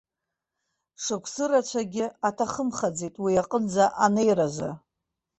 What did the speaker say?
Шықәса рацәагьы аҭахымхаӡеит уи аҟынӡа анеиразы.